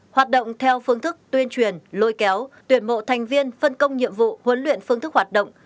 hoạt động theo phương thức tuyên truyền lôi kéo tuyển mộ thành viên phân công nhiệm vụ huấn luyện phương thức hoạt động